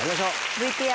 ＶＴＲ。